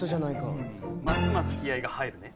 ますます気合が入るね。